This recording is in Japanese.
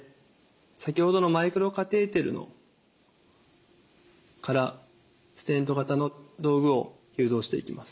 先ほどのマイクロカテーテルからステント型の道具を誘導していきます。